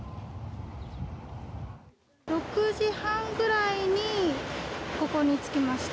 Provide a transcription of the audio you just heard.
６時半ぐらいにここに着きました。